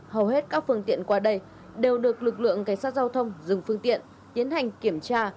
hầu hết các phương tiện qua đây đều được lực lượng cảnh sát giao thông dừng phương tiện tiến hành kiểm tra